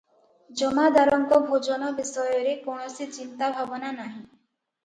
ଜମାଦାରଙ୍କ ଭୋଜନ ବିଷୟରେ କୌଣସି ଚିନ୍ତା ଭାବନା ନାହିଁ ।